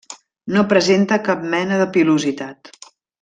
No presenta cap mena de pilositat.